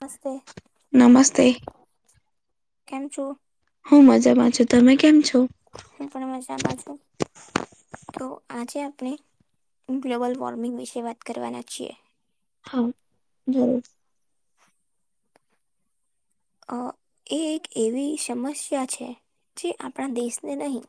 નસ્તે. નમસ્તે. કેમ છો? હું મજામાં છું. તમે કેમ છો. હું પણ મજામાં છું. તો આજે આપણે ગ્લોબલ વોર્મિંગ વિશે વાત કરવાના છીએ. હા, જરૂર. અ એ એક એવી સમસ્યા છે જે આપણા દેશને નહીં.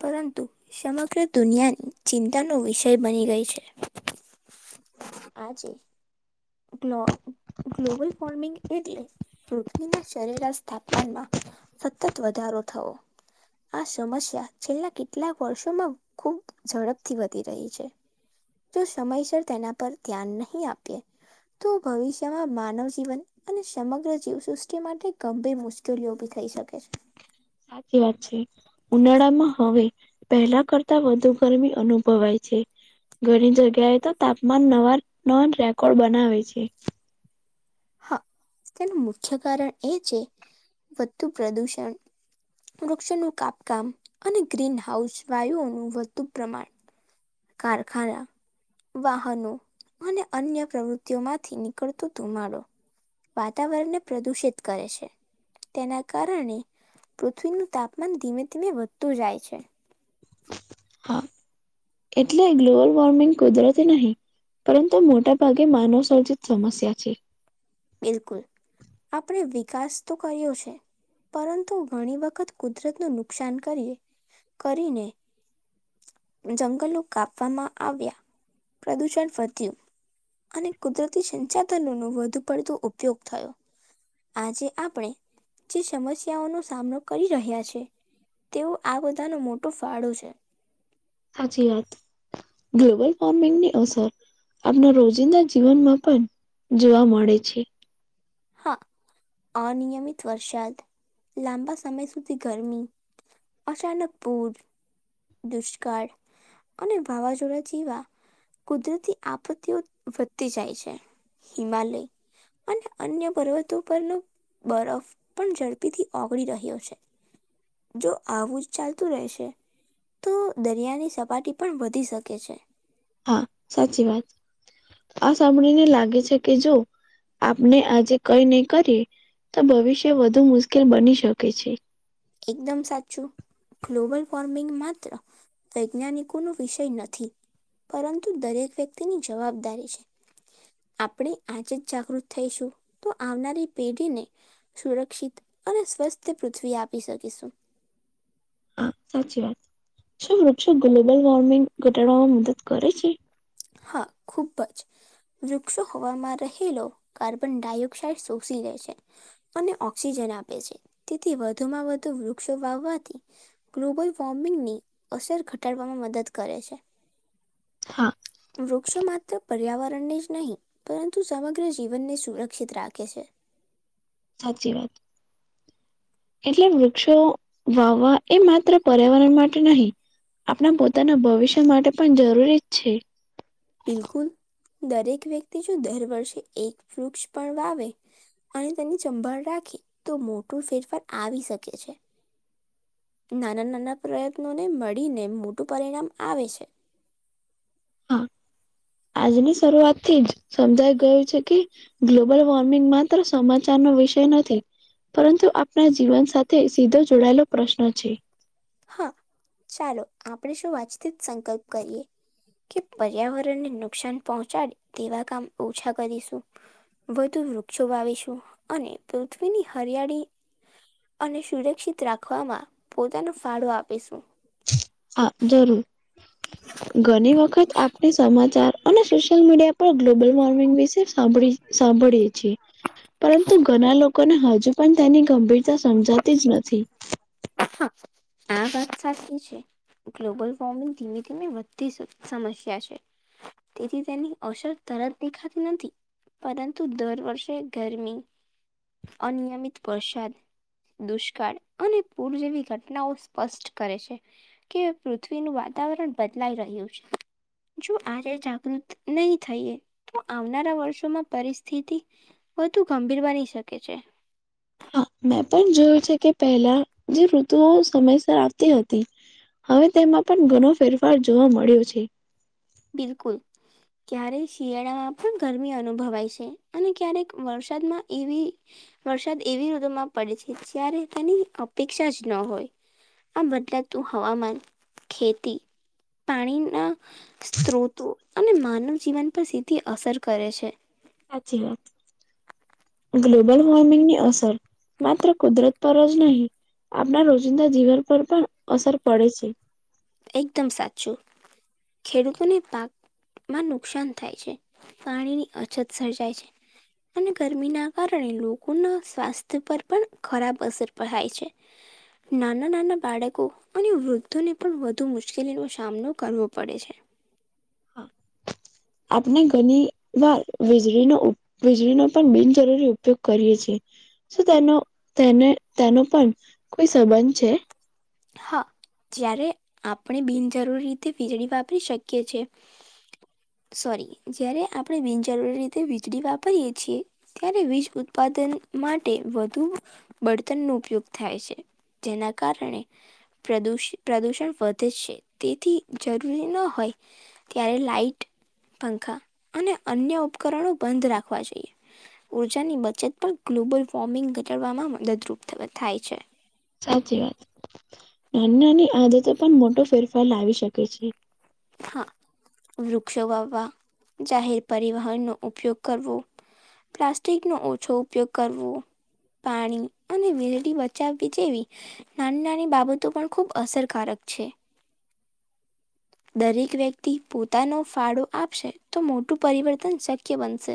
પરંતુ સમગ્ર દુનિયા ચિંતાનો વિષય બની ગઈ છે. આજે. ગ્ ગ્લોબલ વોર્મિંગ એટલે પૃથ્વીના સરેરાશ તાપમાનમાં. સતત વધારો થવો. આ સમસ્યા છેલ્લા કેટલાક વર્ષોમાં ખુબ ઝડપથી વધી રહી છે. જો સમયસર તેના પર ધ્યાન નહીં આપે. તો ભવિષ્યમાં માનવ જીવન. અને સમગ્ર જીવસૃષ્ટિ માટે ગંભીર મુશ્કેલીઓ ઉભી થઈ શકે છે. સાચી વાત છે. ઉનાળામાં હવે પહેલા કરતા વધુ ગરમી અનુભવાય છે. ઘણી જગ્યાએ તો તાપમાન નવા, નવા રેકોર્ડ બનાવે છે. હા, તેનું મુખ્ય કારણ એ છે વધુ પ્રદુષણ વૃક્ષોનું કાપકામ અને ગ્રીનહાઉસ વાયુઓનું વધુ પ્રમાણ. કારખાના. વાહનો અને અન્ય પ્રવૃત્તિઓમાંથી નીકળતો ધુમારો. વાતાવરણને પ્રદુષિત કરે છે. તેના કારણે પૃથ્વીનું તાપમાન ધીમે ધીમે વધતું જાય છે. હા એટલે ગ્લોબલ વોર્મિંગ કુદરતી નહીં. પરંતુ મોટા ભાગે માનવસર્જિત સમસ્યા છે. બિલકુલ આપણે વિકાસ તો કર્યો છે પરંતુ ઘણી વખત કુદરત નું નુકસાન કરીએ કરીને જંગલો કાપવામાં આવ્યા પ્રદુષણ વધ્યું અને કુદરતી સંચાધનો નો વધુ પડતો ઉપયોગ થયો આજે આપણે જે સમસ્યાઓ નો સામનો કરી રહ્યા છે તેઓ આ બધાનો મોટો ફાળો છે હાચી વાત ગ્લોબલ વોર્મિંગ ની અસર આપણા રોજિંદા જીવનમાં પણ જોવા મળે છે હા અનિયમિત વરસાદ લાંબા સમય સુધી ગરમી અચાનક પુર, દુષ્કાળ અને વાવાજોડા જીવા કુદરતી આપત્તિઓ વધતી જાય છે હિમાલય અને અન્ય પર્વતો પરનો બરફ પણ ઝડપી થી ઓગળી રહ્યો છે જો આવું જ ચાલતું રહેશે તો દરિયાની સપાટી પણ વધી શકે છે હા સાચી વાત આ સાંભળીને લાગે છે કે જો આપને આજે કઈ નહી કરીએ તો ભવિષ્ય વધુ મુશ્કેલ બની શકે છે એકદમ સાચું ગ્લોબલ વોર્મિંગ માત્ર વૈજ્ઞાનિકો નો વિષય નથી પરંતુ દરેક વ્યક્તિની જવાબદારી છે આપણે આજે જાગૃત થઈશું તો આવનારી પેઢીને સુરક્ષિત અને સ્વસ્થ પૃથ્વી આપી શકીશું હા સાચી વાત શું વૃક્ષો ગ્લોબલ વોર્મિંગ ઘટાડવામાં મદદ કરે છે હા ખૂબ જ વૃક્ષો હવામાં રહેલો કાર્બન ડાયોક્સાાઈડ શોષી લે છે અને ઓક્સિજન આપે છે તેથી વધુમાં વધુ વૃક્ષો વાવવાથી ગ્લોબલ વોર્મિંગની અસર ઘટાડવામાં મદદ કરે છે હા વૃક્ષો માત્ર પર્યાવરણને જ નહીં પરંતુ સમગ્ર જીવનને સુરક્ષિત રાખે છે સાચી વાત એટલે વૃક્ષો વાવવા એ માત્ર પર્યાવરણ માટે નહી આપણા પોતાના ભવિષ્ય માટે પણ જરૂરી જ છે બિલકુલ દરેક વ્યક્તિ જો દર વર્ષે એક વૃક્ષ પણ વાવે અને તેની સંભાળ રાખી તો મોટો ફેરફાર આવી શકે છે નાના નાના પ્રયત્નોને મળીને મોટું પરિણામ આવે છે હા આજની શરૂઆત થી જ સમજાઈ ગયું છે કે ગ્લોબલ વોર્મિંગ માત્ર સમાચાર નો વિષય નથી પરંતુ આપણા જીવન સાથે સીધો જોડાયેલો પ્રશ્ન છે હા ચાલો આપણે સવ આજ થી જ સંકલ્પ કરીએ કે પર્યાવરણને નુકસાન પહોંચાડે તેવા કામ ઓછા કરીશું વધુ વૃક્ષો વાવીશું અને પૃથ્વીની હરિયાળી અને સુરક્ષિત રાખવામાં પોતાનો ફાળો આપીશું હા જરૂર ઘણી વખત આપણે સમાચાર અને સોશિયલ મીડિયા પર ગ્લોબલ વોર્મિંગ વિશે સાંભળી સાંભળીએ છીએ પરંતુ ઘણા લોકોને હજુ પણ તેની ગંભીરતા સમજાતી જ નથી હા આ વાત સાચી છે ગ્લોબલ વોર્મિંગ ધીમે [inaudible] બધી સમસ્યા છે તેથી તેની અસર તરત દેખાતી નથી પરંતુ દર વર્ષે ગરમી અનિયમિત વરસાદ દુષ્કાળ અને પૂર જેવી ઘટનાઓ સ્પષ્ટ કરે છે કે પૃથ્વીનું વાતાવરણ બદલાઈ રહ્યું છે. જો આજે જાગૃત નહી થઈએ તો આવનારા વર્ષોમાં પરિસ્થિતિ વધુ ગંભીર બની શકે છે. હા મેં પણ જોયું છે કે પહેલા જે ઋતુઓ સમયસર આવતી હતી હવે તેમાં પણ ઘણો ફેરફાર જોવા મળ્યો છે. બિલકુલ ક્યારે શિયાળામાં પણ ગરમી અનુભવાય છે અને ક્યારેક વરસાદમાં એવી વરસાદ એવી ઋતુમાં પડે છે જ્યારે તેની અપેક્ષા જ ન હોય. આ બદલાતું હવામાન ખેતી પાણીના સ્ત્રોતો અને માનવ જીવન પર સીધી અસર કરે છે. હાચી વાત. ગ્લોબલ વોર્મિંગની અસર માત્ર કુદરત જ નહીં આપણા રોજિંદા જીવન પર પણ અસર પડે છે. એકદમ સાચું ખેડૂતોને પાક માં નુકસાન થાય છે પાણીની અછત સર્જાય છે અને ગરમીના કારણે લોકોના સ્વાસ્થ્ય પર પણ ખરાબ અસર પડાય છે. નાના નાના બાળકો અને વૃદ્ધોને પણ વધુ મુશ્કેલી નો સામનો કરવો પડે છે. આપણે ઘણી વાર વીજળીનો વીજળીનો પણ બિનજરૂરી ઉપયોગ કરીએ છીએ તેનો તેને તેનો પણ કોઈ સંબંધ છે. હા જ્યારે આપણે બિનજરૂરી રીતે વીજળી વાપરી શકીએ છેએ સોરી જય્યારે આપણે બિનજરૂરી રીતે વીજળી વાપરીએે છીએ ત્યારે વીજ ઉત્પાદન માટે વધુ બળતણ નો ઉપયોગ થાય છે જેના કારણે પ્રદુષ પ્રદૂષણ વધે છે તેથી જરૂરી ન હોય ત્યારે લાાઈટ પંખા અને અન્ય ઉપકરણો બંધ રાખવા જોઈએ. ઉર્જાની બચત પણ ગ્લોબલ વોર્મિંગ ઘટડવામાં મદદરૂપ થાય છે. સાચી વાત નાની નાની આદતો પણ મોટો ફેરફાર લાવી શકે છે. હા વૃક્ષો વાવવા જાહેર પરિવહનનો ઉપયોગ કરવો પ્લાસ્ટિક નો ઓછો ઉપયોગ કરવો પાણી અને વીજળી બચાવવી જેવી નાની નાની બાબતો પણ ખુબ અસરકારક છે. દરેક વ્યક્તિ પોતાનો ફાળો આપશે તો મોટું પરિવર્તન શક્ય બનશે.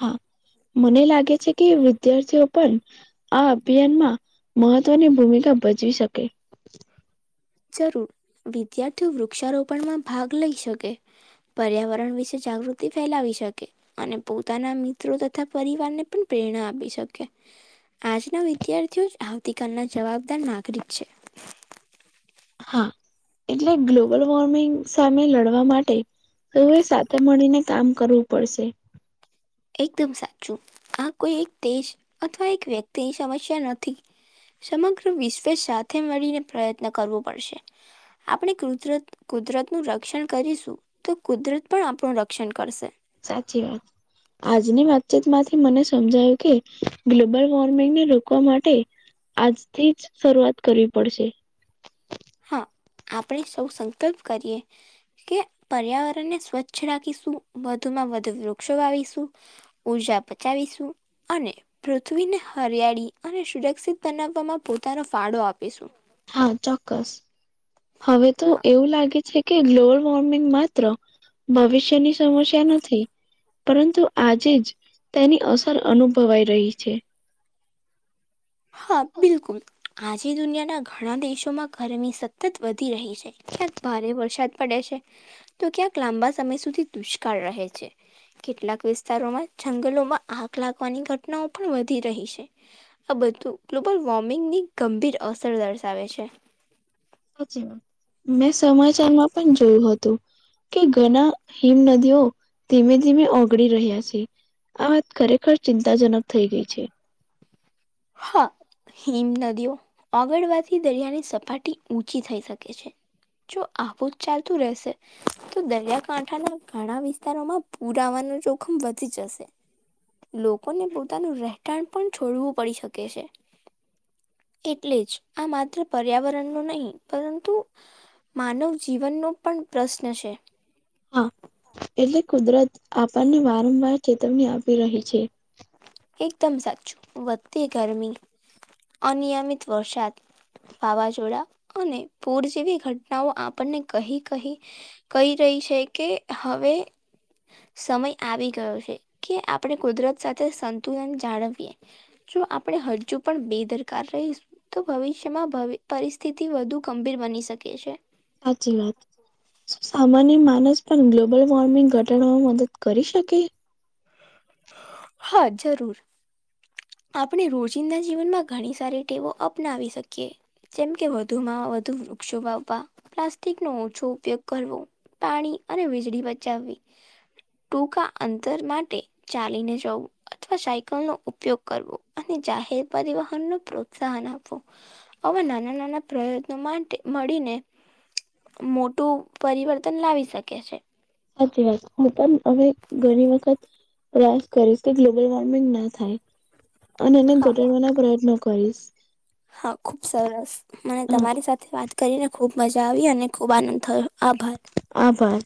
હા મને લાગે છે કે વિદ્યાર્થીઓ પણ આ અભિયાનમાં મહત્વની ભૂમિકા ભજવી શકે. જરૂર વિદ્યાર્થીઓ વૃક્ષારોપણમાં ભાગ લઈ શકે પર્યાવરણ વિશે જાગૃતિ ફેલાવી શકે અને પોતાના મિત્રો તથા પરિવારને પણ પ્રેરણા આપી શકે આજના વિદ્યાર્થીઓ જ આવતીકાલના જવાબદાર નાગરિક છે. હા એટલે ગ્લોબલ વોર્મિંગ સામે લડવા માટે તો એ સાથે મળીને કામ કરવું પડશે. એકદમ સાચું આ કોઈ એક દેશ અથવા એક વ્યક્તિ સમસ્યા નથી સમગ્ર વિશ્વ સાથે મળી ને પ્રયત્ન કરવો પડશે આપણે કુદરત કુદરત નું રક્ષણ કરીશું તો કુદરત પણ આપણું રક્ષણ કરશે. સાચી વાત આજની વાતચીત માંથી મને સમજાયું કે ગ્લોબલ વોર્મિંગને રોકવા માટે આજથી જ શરૂઆત કરવી પડશે હા આપણે સૌ સંકલ્પ કરીએ કે પર્યાવરણને સ્વચ્છ રાખીશું વધુમાં વધુ વૃક્ષો વાવીશું ઉર્જા પચાવીશું અને પૃથ્વીને હરિયાળી અને સુરક્ષિત બનાવવામાં પોતાનો ફાળો આપીશું હા ચોક્કસ હવે તો હા એવું લાગે છે કે ગ્લોબલ વોર્મિંગ માત્ર ભવિષ્યની સમસ્યા નથી પરંતુ આજે જ તેની અસર અનુભવાઈ રહી છે. હા બિલકુલ આજે દુનિયાના ઘણા દેશોમાં ગરમી સતત વધી રહી છે. ક્યાંક ભારે વરસાદ પડે છે તો ક્યાંક લાંબા સમય સુધી દુષ્કાળ રહે છે. કેટલાક વિસ્તારોમાં જંગલોમાં આગ લાગવાની ઘટનાઓ પણ વધી રહી છે. આ બધું ગ્લોબલ વોર્મિંગની ગંભીર અસર દર્શાવે છે. સાચી વાત મેં સમાચારમાં પણ જોયું હતું કે ઘણા હિમ નદીઓ ધીમે ધીમે ઓગળી રહ્યા છે. આ વાત ખરેખર ચિંતાજનક થઇ ગઈ છે. હા. હિમ નદીઓ ઓગળવાથી દરિયાની સપાટી ઊંચી થઈ શકે છે જો આવું જ ચાલતું રહેશે તો દરિયાકાંઠાના ઘણા વિસ્તારોમાં પૂર આવવાનું જોખમ વધી જશે. લોકોને પોતાનું રહેઠાણ પણ છોડવું પડી શકે છે. એટલે જ આ માત્ર પર્યાવરણ નું નહીં પરંતુ માનવ જીવનનો પણ પ્રશ્ન છે. હા એટલે કુદરત આપણને વારંવાર ચેતવણી આપી રહી છે. એકદમ સાચું વધતી ગરમી અનિયમિત વરસાદ વાવાઝોડા અને પૂર જેવી ઘટનાઓ આપણને કહી કહી કહી રહી છે કે હવે સમય આવી ગયો છે કે આપણે કુદરત સાથે સંતુલન જાળવીએ જો આપણેે હજુ પણ બેદરકાર રહીશ તો ભવિષ્યમાં ભ પરિસ્થિતિ વધુ ગંભીર બની શકે છે. સાચી વાત શું સામાન્ય માનસ પણ ગ્લોબલ વોર્મિંગ ઘટાડવામાં મદદ કરી શકે હા જરૂર આપણે રોજિંદા જીવનમાં ઘણી સારી ટેવો અપનાવી શકીએ. જેમ કે વધુમાં વધુ વૃક્ષો વાવવા પ્લાસ્ટિક નો ઓછો ઉપયોગ કરવો. પાણી અને વીજળી બચાવવી ટૂંકા અંતર માટે ચાલીને જવું અથવા સાયકલ નો ઉપયોગ કરવો અને જાહેર પરિવહન નું પ્રોત્સાહન આપવું આવા નાના નાના પ્રયત્નો માટે મળીને મોટું પરિવર્તન લાવી શકે છે. સાચી વાત હું પણ હવે ઘણી વખત પ્રયાસ કરીશ કે ગ્લોબલ વોર્મિંગ ના થાય અને એને હા. ઘટાડવાના પ્રયત્નો કરીશ હા ખુબ સરસ મને હા તમારી સાથે વાત કરીને ખૂબ મજા આવી અને ખૂબ આનંદ થયો આભાર આભાર.